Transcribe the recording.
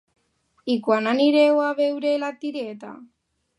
I quan anireu a veure la tieta?